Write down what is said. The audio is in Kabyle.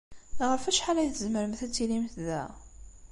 Ɣef wacḥal ay tzemremt ad tilimt da?